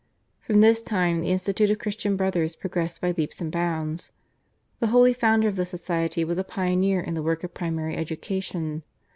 From this time the Institute of Christian Brothers progressed by leaps and bounds. The holy founder of the society was a pioneer in the work of primary education.